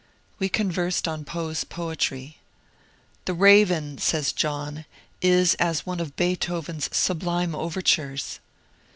We conversed on Poe's poetry. "*The Raven,'" says John, ^^is as one of Beethoven's sublime overtures."